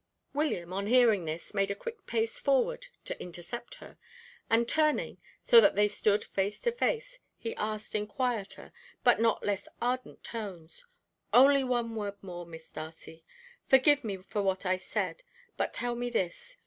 William, on hearing this, made a quick pace forward to intercept her, and, turning, so that they stood face to face, he asked in quieter, but not less ardent tones: "Only one word more, Miss Darcy. Forgive me for what I said, but tell me this.